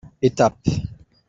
Étape.